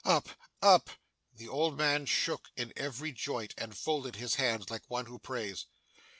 Up, up!' The old man shook in every joint, and folded his hands like one who prays.